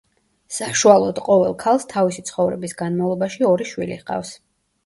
საშუალოდ, ყოველ ქალს თავისი ცხოვრების განმავლობაში ორი შვილი ჰყავს.